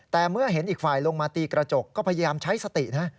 แต่เมื่อเห็นอีกฝ่ายลงมาตีกระจกก็พยายามใช้สตินะ